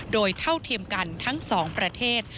โดยเท่าเทียมกันทั้งสองประเทศ